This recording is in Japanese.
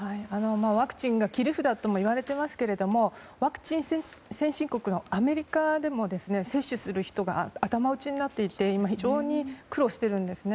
ワクチンが切り札とも言われていますけどもワクチン先進国のアメリカでも接種する人が頭打ちになっていて非常に苦労しているんですね。